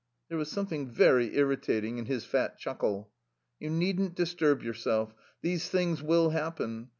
There was something very irritating in his fat chuckle. "You needn't disturb yourself. These things will happen.